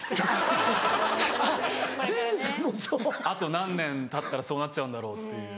あと何年たったらそうなっちゃうんだろうって。